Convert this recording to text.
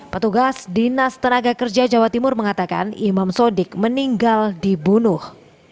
petugas dinas tenaga kerja jawa timur mengatakan imam sodik meninggal dibunuh